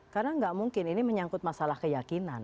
karena nggak mungkin ini menyangkut masalah keyakinan